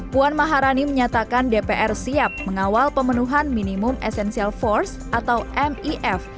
puan maharani menyatakan dpr siap mengawal pemenuhan minimum essential force atau mif